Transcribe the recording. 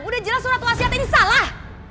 udah jelas surat wasiat ini salah